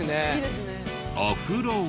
お風呂は。